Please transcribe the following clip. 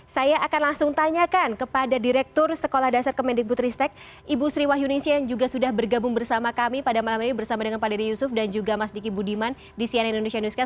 saya akan langsung tanyakan kepada direktur sekolah dasar kemendikbud ristek ibu sri wahyunisia yang juga sudah bergabung bersama kami pada malam ini bersama dengan pak dede yusuf dan juga mas diki budiman di cnn indonesia newscast